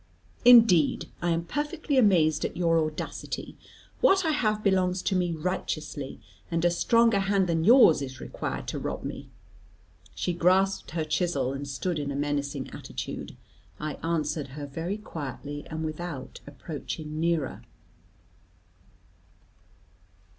"Indeed! I am perfectly amazed at your audacity. What I have belongs to me righteously, and a stronger hand than yours is required to rob me." She grasped her chisel, and stood in a menacing attitude. I answered her very quietly, and without approaching nearer.